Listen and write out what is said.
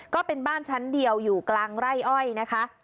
ก็เป็นบ้านชั้นเดียวอยู่กลางไร่อ้อยนะคะ